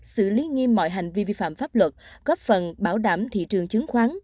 xử lý nghiêm mọi hành vi vi phạm pháp luật góp phần bảo đảm thị trường chứng khoán